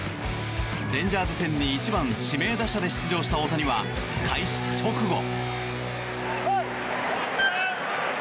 レンジャーズ戦に１番指名打者で出場した大谷は開始直後。